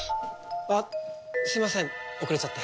あっすいません遅れちゃって。